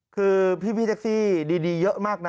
คือพี่แท็กซี่ดีเยอะมากนะ